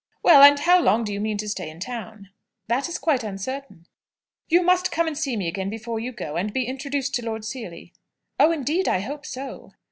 Well, and how long do you mean to stay in town?" "That is quite uncertain." "You must come and see me again before you go, and be introduced to Lord Seely." "Oh, indeed, I hope so."